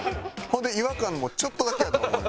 ほんで違和感もちょっとだけやと思う。